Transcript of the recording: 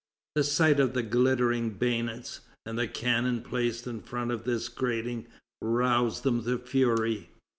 The sight of the glittering bayonets, and the cannon placed in front of this grating, roused them to fury.